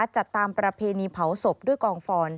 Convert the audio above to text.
จัดตามประเพณีเผาศพด้วยกองฟอน